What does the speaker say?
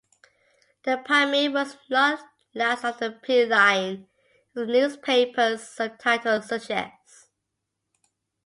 The "Pamir" was not last of the 'P' Line, as the newspaper's subtitle suggests.